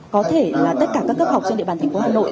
có thể là tất cả các cấp học trên địa bàn thành phố hà nội